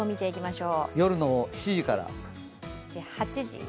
夜の７時から。